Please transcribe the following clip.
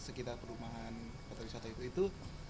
di sekitar perumahan kota wisata itu